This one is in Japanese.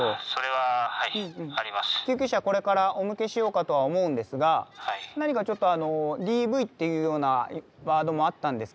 救急車これからお向けしようかとは思うんですが何かちょっとあのＤＶっていうようなワードもあったんですけど。